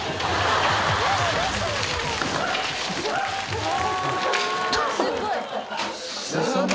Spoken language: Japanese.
うわ。